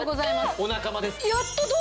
お仲間です。